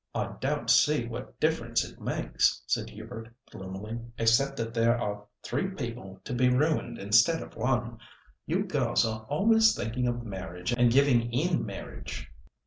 "I don't see what difference it makes," said Hubert, gloomily, "except that there are three people to be ruined instead of one. You girls are always thinking of marriage and giving in marriage."